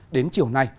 đến chiều nay